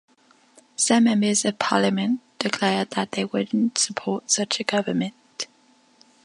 Some members of parliament declared that they wouldn't support such a government.